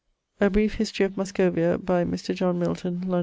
[LIX.] A Brief History of Muscovia, by Mr. John Milton, Lond.